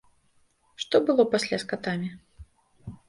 Што было пасля з катамі?